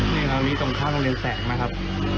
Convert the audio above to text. นี่ครับมีตรงข้างโรงเรียนแสงนะครับ